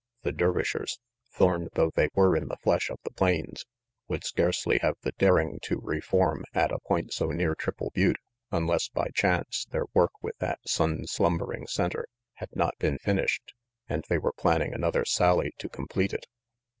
The Dervishers, thorn though they were in the flesh of the plains, would scarcely have the daring to reform at a point so near Triple Butte, unless, by chance, their work with that sun slumbering center had not been finished and they were planning another sally to complete it.